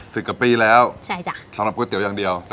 สิบกว่าปีแล้วใช่จ้ะสำหรับก๋วยเตี๋ยวอย่างเดียว